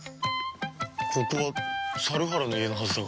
ここは猿原の家のはずだが。